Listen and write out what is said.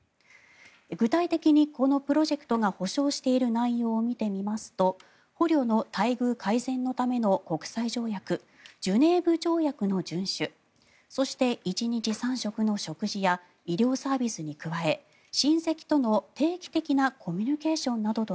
具体的にこのプロジェクトが保証している内容を見てみますと捕虜の待遇改善のための国際条約ジュネーブ条約の順守そして１日３食の食事や医療サービスに加え親戚との定期的なコミュニケーションなどと